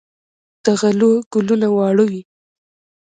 د غلو ګلونه واړه وي.